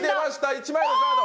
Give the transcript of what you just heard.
１枚のカード